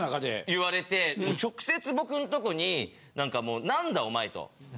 言われて直接僕んとこに何かもう何だお前と。